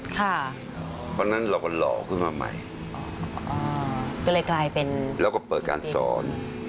เพราะฉะนั้นเราก็หล่อขึ้นมาใหม่ก็เลยกลายเป็นแล้วก็เปิดการสอน